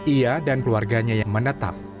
ia dan keluarganya yang menetap